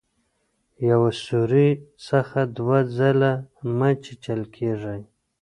یوه سوري څخه دوه ځله مه چیچل کیږئ.